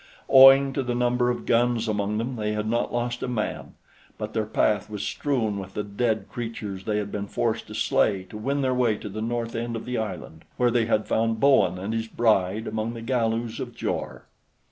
Owing to the number of guns among them, they had not lost a man; but their path was strewn with the dead creatures they had been forced to slay to win their way to the north end of the island, where they had found Bowen and his bride among the Galus of Jor.